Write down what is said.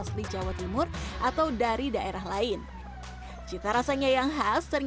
kuliner lontong kupang yang ada di sidoarjo ini menjadi salah satu kuliner yang terkenal di sidoarjo ini